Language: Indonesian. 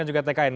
dan juga tkn